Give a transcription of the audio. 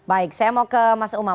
baik saya mau ke mas umam